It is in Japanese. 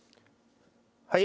はい。